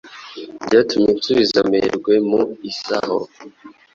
Byatumye nsubiza amerwe mu isaho.